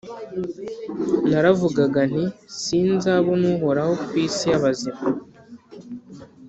Naravugaga nti «Sinzabona Uhoraho ku isi y’abazima,